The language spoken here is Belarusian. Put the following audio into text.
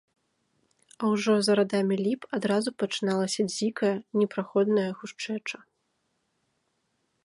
А ўжо за радамі ліп адразу пачыналася дзікая, непраходная гушчэча.